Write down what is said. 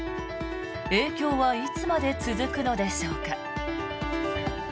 影響はいつまで続くのでしょうか。